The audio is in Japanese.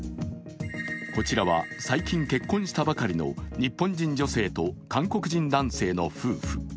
こちらは最近、結婚したばかりの日本人女性と韓国人男性の夫婦。